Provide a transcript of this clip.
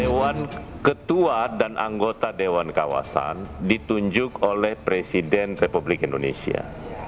dewan ketua dan anggota dewan kawasan ditunjuk oleh presiden republik indonesia